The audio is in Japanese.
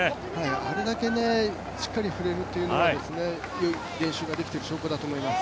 あれだけしっかり振れるというのはよい練習ができている証拠だと思います。